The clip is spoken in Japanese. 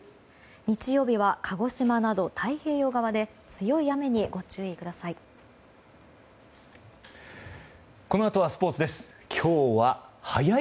日曜日は鹿児島など太平洋側で強い雨にご注意ください。